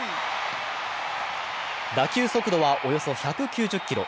打球速度はおよそ１９０キロ。